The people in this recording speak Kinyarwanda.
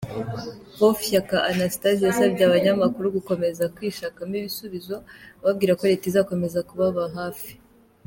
Prof Shyaka Anastase yasabye abanyamakuru gukomeza kwishakamo ibisubizo, ababwira ko Leta izakomeza kubaba hafi.